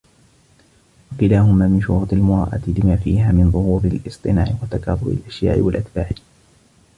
وَكِلَاهُمَا مِنْ شُرُوطِ الْمُرُوءَةِ لِمَا فِيهِمَا مِنْ ظُهُورِ الِاصْطِنَاعِ ، وَتَكَاثُرِ الْأَشْيَاعِ وَالْأَتْبَاعِ